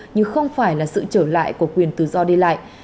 nhưng không phải là sự trở lại của quyền tự do đi lại